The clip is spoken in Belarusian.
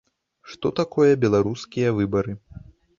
Што такое беларускія выбары?